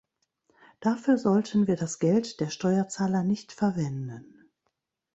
Dafür sollten wir das Geld der Steuerzahler nicht verwenden.